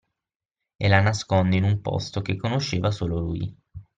E la nasconde in un posto che conosceva solo lui